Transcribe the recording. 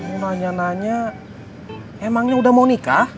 mau nanya nanya emangnya udah mau nikah